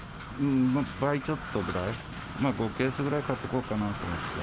倍ちょっとぐらい、５ケースくらい買っておこうかなと思って。